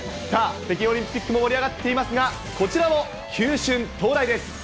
さあ、北京オリンピックも盛り上がっていますが、こちらも球春到来です。